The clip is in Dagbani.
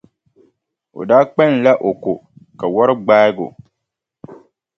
O daa kpalimla o ko, ka wari gbaagi o.